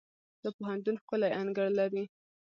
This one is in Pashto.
دا پوهنتون ښکلی انګړ لري.